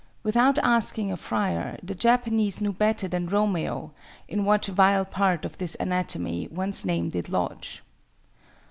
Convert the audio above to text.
Without asking a friar, the Japanese knew better than Romeo "in what vile part of this anatomy one's name did lodge."